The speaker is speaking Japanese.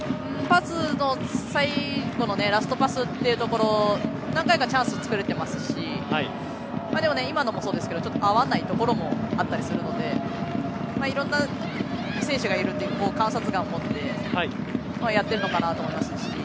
最後のラストパスといういうところ何回かチャンスつくれていますし今のもそうですけどちょっと合わないところもあったりするのでいろんな選手がいるという観察眼を持ってやっているのかなと思いますし。